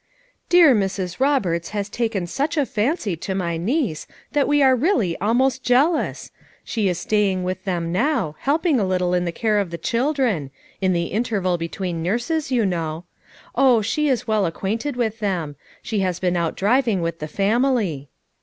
"Dear Mrs. Eoberts has taken sucH a fancy to my niece that we are really almost jealous I She is staying with them now, helping a little in the care of the children — in the interval be tween nurses, you know; — Oh, she is well ac quainted with them; she has been out driving with the family."